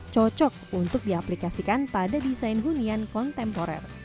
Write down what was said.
cocok untuk diaplikasikan pada desain hunian kontemporer